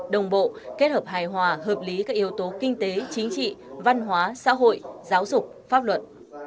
đồng bộ kết hợp hài hòa hợp lý các yếu tố kinh tế chính trị văn hóa xã hội giáo dục pháp luật